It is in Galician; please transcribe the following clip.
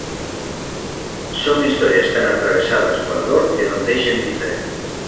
Son historias tan atravesadas pola dor que non deixan indiferente.